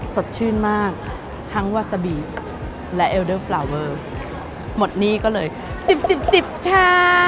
สดชื่นมากทั้งวาซาบีและเออนเดอร์หมดนี่ก็เลย๑๐๑๐๑๐ค่ะ